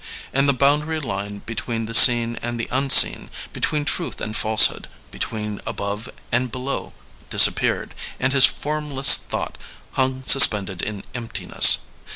And the boundary line between the seen and the unseen, between truth and falsehood, between above and below disappeared, and his form less thought hung suspended in emptiness.